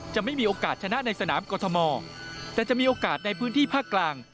จะไม่มีโอกาสชนะในสนามกรทมแต่จะมีโอกาสในพื้นที่ภาคกลาง